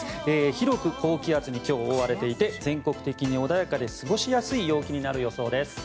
広く高気圧に今日、覆われていて全国的に穏やかで過ごしやすい陽気になる予想です。